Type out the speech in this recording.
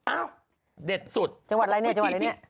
อ้าวเด็ดสุดเจ้าหวัดอะไรเนี่ย